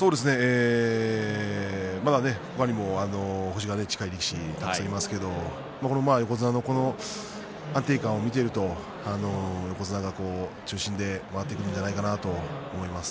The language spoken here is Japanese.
まだね、他にも星の近い力士がたくさんいますけれど横綱の安定感を見ていると横綱が中心で回っていくんじゃないかなと思います。